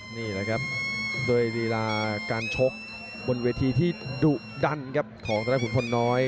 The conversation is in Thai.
นี่แหละครับด้วยรีลาการชกบนเวทีที่ดุดันครับของธนขุนพลน้อย